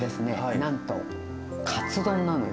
なんとカツ丼なのよ。